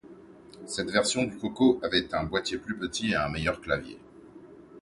Cette version du CoCo avait un boîtier plus petit et un meilleur clavier.